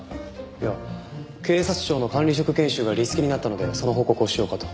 いや警察庁の管理職研修がリスケになったのでその報告をしようかと。